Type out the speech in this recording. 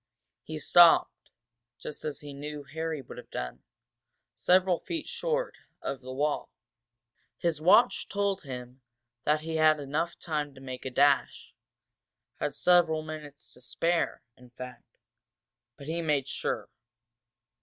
He stopped, just as he knew Harry would have done, several feet short of the wall. His watch told him that he had time enough to make a dash, had several minutes to spare, in fact. But he made sure.